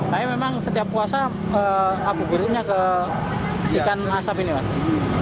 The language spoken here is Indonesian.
tapi memang setiap puasa abu gurunya ke ikan asap ini mas